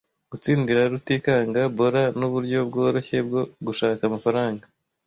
Gutsindira Rutikanga bola nuburyo bworoshye bwo gushaka amafaranga.